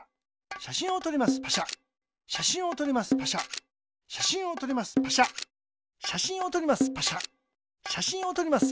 しゃしんをとります。